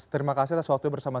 terima kasih atas waktu bersama